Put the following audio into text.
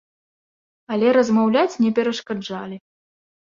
Але размаўляць не перашкаджалі.